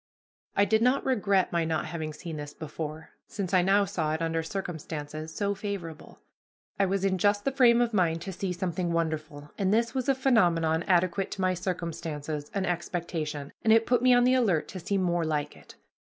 I did not regret my not having seen this before, since I now saw it under circumstances so favorable. I was in just the frame of mind to see something wonderful, and this was a phenomenon adequate to my circumstances and expectation, and it put me on the alert to see more like it.